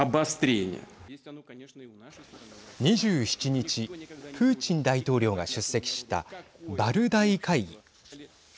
２７日プーチン大統領が出席したバルダイ会議。